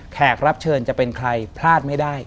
แขกรับเชิญจะเป็นใครพลาดไม่ได้